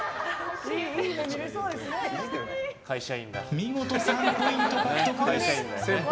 見事３ポイント獲得です。